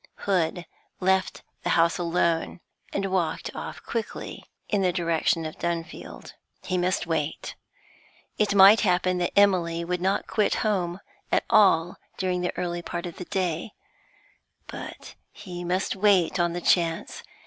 Hood left the house alone, and walked off quickly in the direction of Dunfield. He must wait. It might happen that Emily would not quit home at all during the early part of the day, but he must wait on the chance.